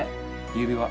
指輪！？